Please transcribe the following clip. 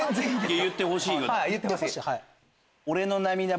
言ってほしいから。